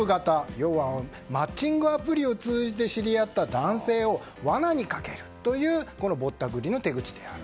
要は、マッチングアプリを通じて知り合った男性をわなにかけるというぼったくりの手口である。